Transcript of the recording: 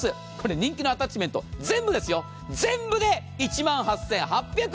人気のアタッチメント全部で１万８８００円。